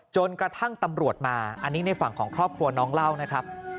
จนกระทั่งตำรวจมาอันนี้ในฝั่งของครอบครัวน้องเล่านะครับ